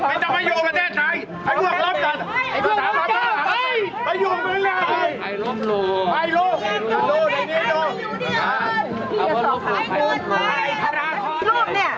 ไม่สับเชื่อฉันโบยะอ่านใครบางคู่ผู้ชายก็เพิ่กกัน